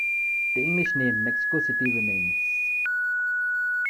The English name "Mexico City" remains.